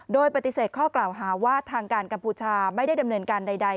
โดยปฏิเสธข้อกล่าวหาว่าทางการกัมพูชาไม่ได้ดำเนินการใด